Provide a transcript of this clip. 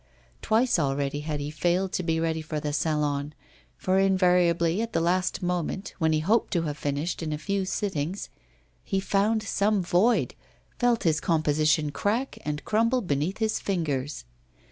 Twice already had he failed to be ready for the Salon, for invariably, at the last moment, when he hoped to have finished in a few sittings, he found some void, felt his composition crack and crumble beneath his fingers.